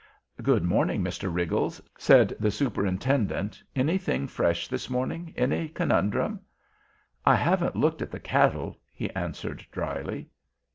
"Good morning, Mr. Riggles," said the Superintendent, "Anything fresh this morning? Any Conundrum?" "I haven't looked at the cattle," he answered, dryly.